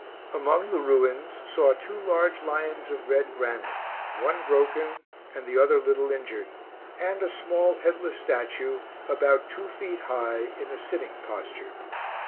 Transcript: Among the ruins saw two large lions of red granite, one broken, and the other little injured, and a small headless statue, about two feet high, in a sitting posture.